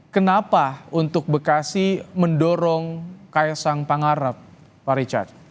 kenapa untuk bekasi mendorong kaisang pangarep pak richard